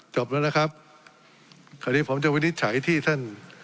จบแล้วนะครับคราวนี้ผมจะวินิจฉัยที่ท่าน